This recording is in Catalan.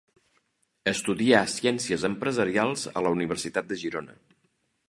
Estudià Ciències Empresarials a la Universitat de Girona.